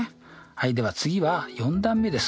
はいでは次は４段目です。